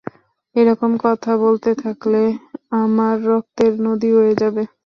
এরকম কথা বলতে থাকলে আমার রক্তের নদী বয়ে যাবে।